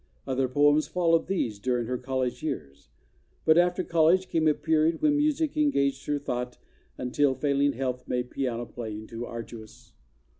Other poems followed these during her college years. But after college came a period when music engaged her thought io Introduction until failing health made piano playing too arduous.